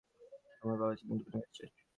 আমার বাবা ছিলেন ডেপুটি ম্যাজিস্ট্রেট।